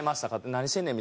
何してんねん！